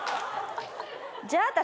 じゃあ私